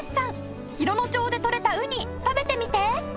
洋野町でとれたウニ食べてみて！